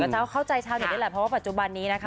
แต่ก็จะเข้าใจชาวนี้ได้แหละเพราะว่าปัจจุบันนี้นะคะ